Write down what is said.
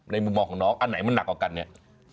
มุมมองของน้องอันไหนมันหนักกว่ากันเนี่ย